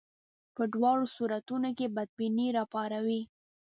په دواړو صورتونو کې بدبیني راپاروي.